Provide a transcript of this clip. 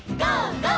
「ゴー！